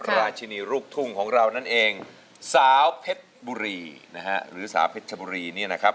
ราชินีลูกทุ่งของเรานั่นเองสาวเพชรบุรีนะฮะหรือสาวเพชรชบุรีเนี่ยนะครับ